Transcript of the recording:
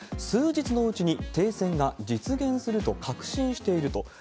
数日のうちに停戦が実現すると確信していると。